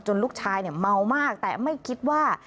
ลูกชายเมามากแต่ไม่คิดว่า